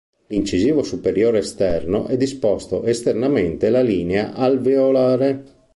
L'incisivo superiore esterno è disposto esternamente la linea alveolare.